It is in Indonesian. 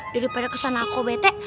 daripada kesana aku bete